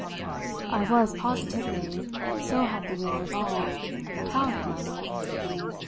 I was positively so had the wheel revolved proud of my work.